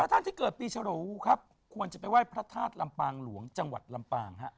ท่านที่เกิดปีฉรูครับควรจะไปไหว้พระธาตุลำปางหลวงจังหวัดลำปางฮะ